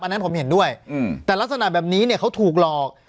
อันนั้นผมเห็นด้วยแต่ลักษณะแบบนี้เนี่ยเขาถูกหลอก